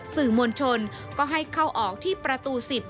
สื่อมวลชนก็ให้เข้าออกที่ประตู๑๐